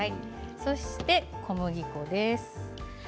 そして小麦粉です。